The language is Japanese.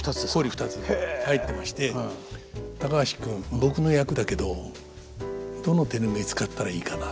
入ってまして「高橋君僕の役だけどどの手拭い使ったらいいかな」